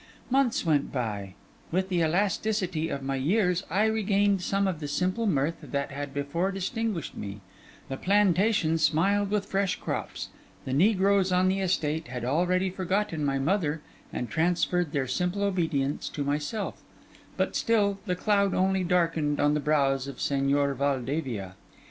Months went by; with the elasticity of my years, I regained some of the simple mirth that had before distinguished me; the plantation smiled with fresh crops; the negroes on the estate had already forgotten my mother and transferred their simple obedience to myself; but still the cloud only darkened on the brows of Señor Valdevia.